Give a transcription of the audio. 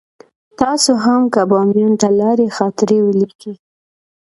تاسې هم که باميان ته لاړئ خاطرې ولیکئ.